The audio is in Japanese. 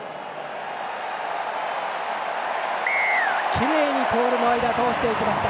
きれいにポールの間を通していきました。